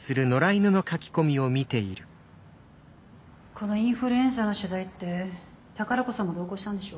このインフルエンサーの取材って宝子さんも同行したんでしょ？